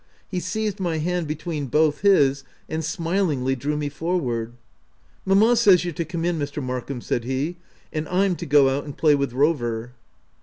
He seized my hand between both his, and smilingly drew me forward. " Mamma says you're to come in, Mr. Mark ham," said he, u and Pm to go out and play with Rover."